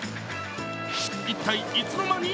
一体、いつの間に？